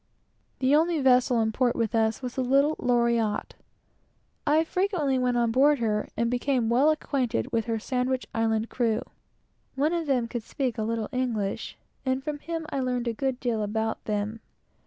The only vessel in port with us was the little Loriotte. I frequently went on board her, and became very well acquainted with her Sandwich Island crew. One of them could speak a little English, and from him I learned a good deal about them.